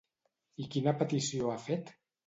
I quina petició ha fet?